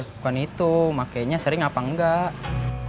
bukan itu makainya sering apa enggak